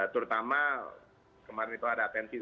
terutama kemarin itu ada atensi